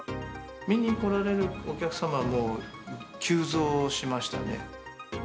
見に来られるお客様も急増しましたよね。